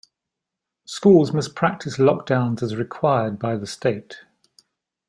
Schools must practice lockdowns, as required by the state.